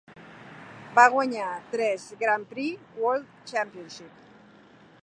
Va guanyar tres Grand Prix World Championship.